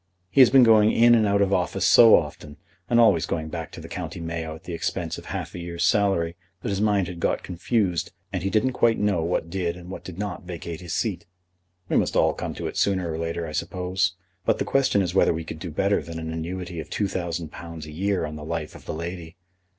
He has been going in and out of office so often, and always going back to the Co. Mayo at the expense of half a year's salary, that his mind had got confused, and he didn't quite know what did and what did not vacate his seat. We must all come to it sooner or later, I suppose, but the question is whether we could do better than an annuity of £2,000 a year on the life of the lady.